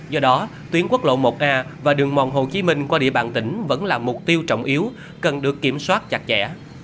do đó tuyến quốc lộ một a và đường mòn hồ chí minh qua địa bàn tỉnh vẫn là mục tiêu trọng yếu cần được kiểm soát chặt chẽ